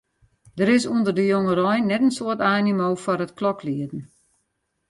Der is ûnder de jongerein net in soad animo foar it kloklieden.